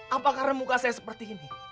apa karena muka saya seperti ini